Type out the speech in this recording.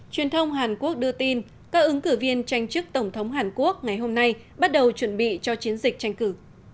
truyền thông hàn quốc đưa tin các ứng cử viên tranh chức tổng thống hàn quốc ngày hôm nay bắt đầu chuẩn bị cho chiến dịch tranh cử